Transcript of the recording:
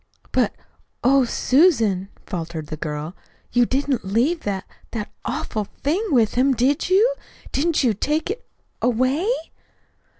"But, oh, Susan," faltered the girl, "you didn't leave that that awful thing with him, did you? Didn't you take it away?"